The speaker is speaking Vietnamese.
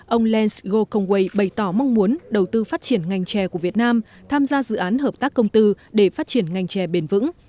ông lance gokongwei bày tỏ mong muốn đầu tư phát triển ngành chè của việt nam tham gia dự án hợp tác công tư để phát triển ngành chè bền vững